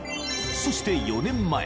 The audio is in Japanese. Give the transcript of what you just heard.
［そして４年前。